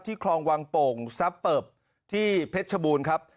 คลองวังโป่งซับเปิบที่เพชรชบูรณ์ครับ